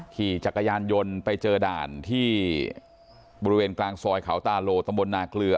ขี่จักรยานยนต์ไปเจอด่านที่บริเวณกลางซอยเขาตาโลตำบลนาเกลือ